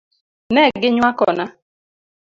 Ne gi nywakona .